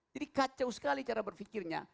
jadi kacau sekali cara berfikirnya